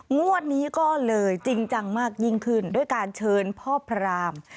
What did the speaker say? งวดนี้ก็เลยจริงจังมากยิ่งขึ้นด้วยการเชิญพ่อพราม